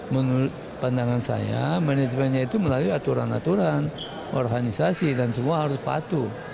menurut pandangan saya manajemennya itu melalui aturan aturan organisasi dan semua harus patuh